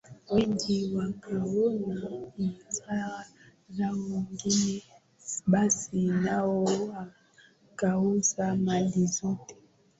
wengi wakaona ishara zao nyingi basi nao wakauza mali zao